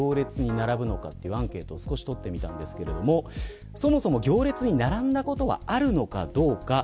なぜ行列に並ぶのか、というアンケートをとってみたんですがそもそも行列に並んだことがあるのかどうか。